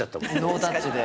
ノータッチで。